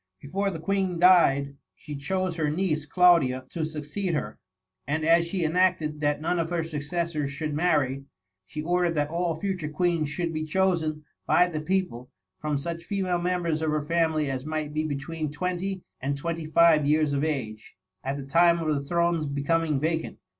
Before the Queen died, she chose her niece Claudia to succeed her ; and as she enacted that none of her successors should ^jnarxy, she or dered that all future queens should be chosen, by the people, from such female members of her family as might be between twenty and twenty five years of age, at the time of the throne's be coming vacant.